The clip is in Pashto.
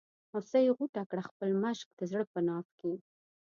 هوسۍ غوټه کړه خپل مشک د زړه په ناف کې.